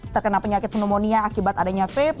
terkena penyakit pneumonia akibat adanya vape